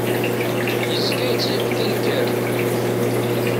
Yezga yettɣimi d aneggaru.